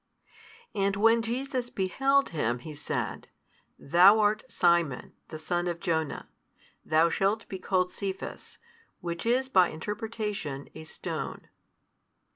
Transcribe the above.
And when Jesus beheld him, He said, Thou art Simon the son of Jona, thou shalt be called Cephas, which is by interpretation, a stone.